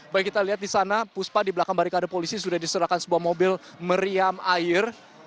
baik kita lihat di sana puspa di belakang barikade polisi sudah diserahkan sebuah mobil meriam air